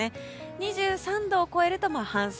２３度を超えると半袖。